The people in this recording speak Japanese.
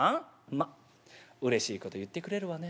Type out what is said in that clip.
「まっうれしいこと言ってくれるわね。